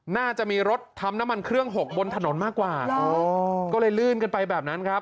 น่าจะมีรถทำน้ำมันเครื่องหกบนถนนมากกว่าอ๋อก็เลยลื่นกันไปแบบนั้นครับ